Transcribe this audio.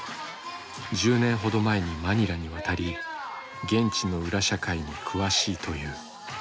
１０年ほど前にマニラに渡り現地の裏社会に詳しいという。